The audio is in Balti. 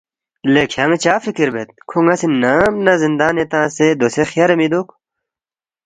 ”لے کھیان٘ی چا فِکر بید؟ کھو ن٘ا سی نام نہ زِندانِنگ تنگسے دوسے خیارے مِہ دُوک